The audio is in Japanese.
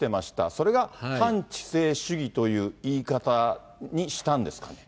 それが反知性主義という言い方にしたんですか。